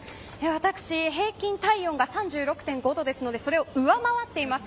私、平均体温が３６．５度ですのでそれを上回っています。